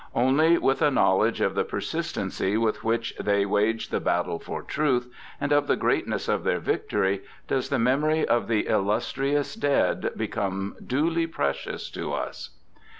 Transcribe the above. Only with a knowledge of the persistency with which they waged the battle for Truth, and of the greatness of their victory, does the memory of the illustrious dead become duly precious to us.